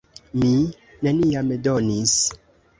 Mi neniam donis.